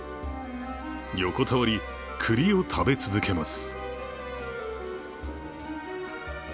横たわり、くりを食べ続けます。